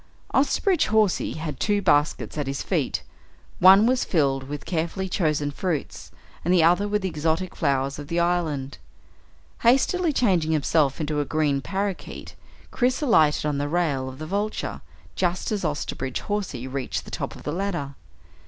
Osterbridge Hawsey had two baskets at his feet. One was filled with carefully chosen fruits, and the other with the exotic flowers of the island. Hastily changing himself into a green parakeet, Chris alighted on the rail of the Vulture just as Osterbridge Hawsey reached the top of the ladder.